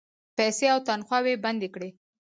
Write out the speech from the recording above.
پیسې او تنخواوې بندي کړې.